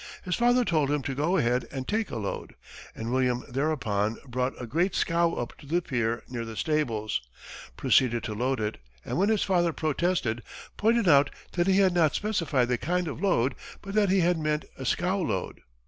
His father told him to go ahead and take a load, and William thereupon brought a great scow up to the pier near the stables, proceeded to load it, and when his father protested, pointed out that he had not specified the kind of load, but that he had meant a scow load.